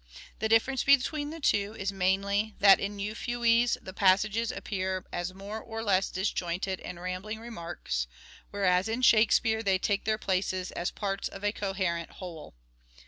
The difference between the two is mainly that in " Euphues " the passages appear as more or less disjointed and ram bling remarks, whereas in " Shakespeare " they take their places as parts of a coherent whole.